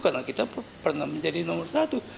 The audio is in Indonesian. karena kita pernah menjadi nomor satu